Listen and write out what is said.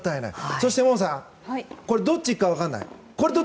そして、萌々さんどっち行くか分からない。